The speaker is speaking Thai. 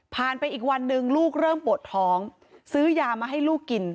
ไปอีกวันหนึ่งลูกเริ่มปวดท้องซื้อยามาให้ลูกกิน